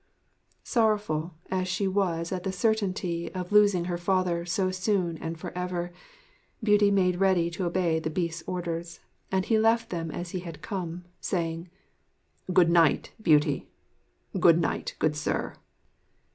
Sorrowful as she was at the certainty of losing her father so soon and for ever, Beauty made ready to obey the Beast's orders, and he left them as he had come, saying: 'Good night, Beauty! Good night, good sir!'